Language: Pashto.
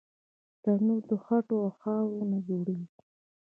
تنور د خټو او خاورو نه جوړېږي